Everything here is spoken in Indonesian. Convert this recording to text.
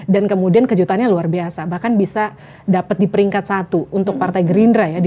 dan kemudian kejutannya luar biasa bahkan bisa dapat diperingkat satu untuk partai gerindra ya di